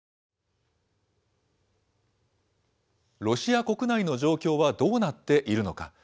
ロシア国内の状況はどうなっているのか。